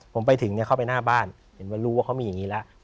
ผมไปถึงเข้าไปหน้าบ้านเห็นว่ารู้ว่าเขามีอย่างนี้แล้ว